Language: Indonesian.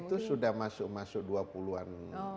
itu sudah masuk masuk dua puluh an